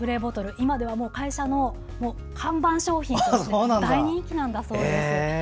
今では会社の看板商品として大人気なんだそうです。